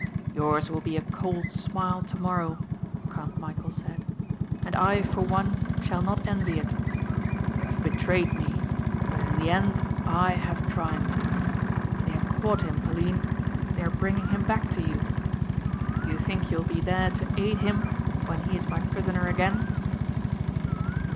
"Yours will be a cold smile tomorrow," Count Michæl said, "and I, for one, shall not envy it. You have betrayed me but in the end I have triumphed. They have caught him Pauline. They are bringing him back to you. Do you think you will be there to aid him when he is my prisoner again?"